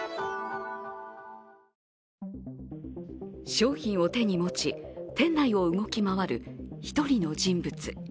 商品を手に持ち、店内を動き回る一人の人物。